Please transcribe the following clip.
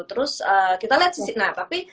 terus kita liat sisi nah tapi